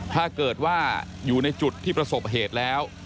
ถ้าเกิดว่าอยู่ในจุดที่ประสบเหตุแล้ว